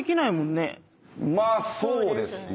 まあそうですね。